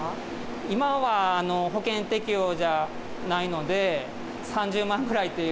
今は保険適用じゃないので、３０万ぐらいという。